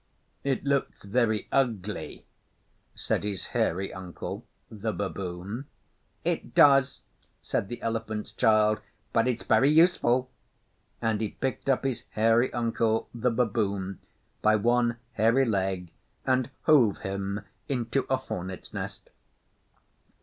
'It looks very ugly,' said his hairy uncle, the Baboon. 'It does,' said the Elephant's Child. 'But it's very useful,' and he picked up his hairy uncle, the Baboon, by one hairy leg, and hove him into a hornet's nest.